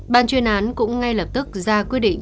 bàn truyền án cũng ngay lập tức ra quyết định